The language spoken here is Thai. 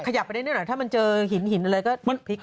ขยับไปได้นิดหน่อยถ้ามันเจอหินหินอะไรก็พลิก